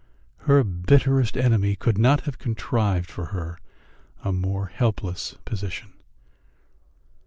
Her bitterest enemy could not have contrived for her a more helpless position.